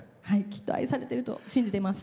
愛されてると信じてます。